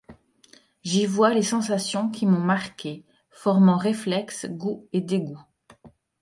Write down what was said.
J’y vois les sensations qui m’ont marqué, formant réflexes, goûts et dégoûts.